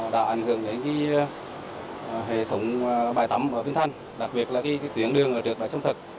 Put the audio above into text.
đã ảnh hưởng đến hệ thống bài tắm ở vinh thanh đặc biệt là tuyến đường ở trước là sâm thực